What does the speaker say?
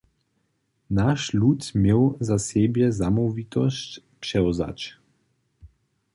Naš lud měł za sebje zamołwitosć přewzać.